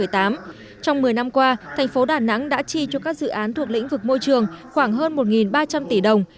trong một mươi năm qua thành phố đà nẵng đã chi cho các dự án thuộc lĩnh vực môi trường khoảng hơn một ba trăm linh tỷ đồng